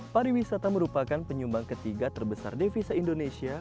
pariwisata merupakan penyumbang ketiga terbesar devisa indonesia